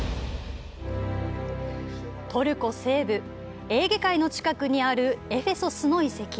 トルコ西部、エーゲ海の近くにあるエフェソスの遺跡。